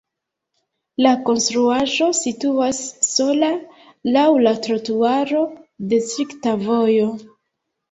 La konstruaĵo situas sola laŭ la trotuaro de strikta vojo.